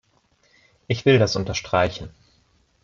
Ich will das unterstreichen.